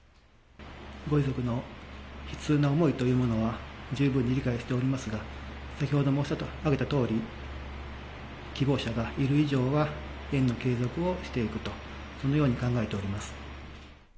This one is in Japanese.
ご遺族の悲痛な思いというものは、十分に理解しておりますが、先ほど申し上げたとおり、希望者がいる以上は、園の継続をしていくと、そのように考えております。